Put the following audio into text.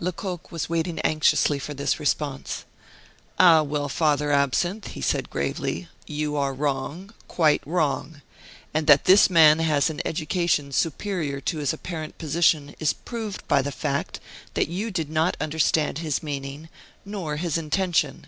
Lecoq was waiting anxiously for this response. "Ah, well; Father Absinthe," he said gravely, "you are wrong, quite wrong. And that this man has an education superior to his apparent position is proved by the fact that you did not understand his meaning, nor his intention.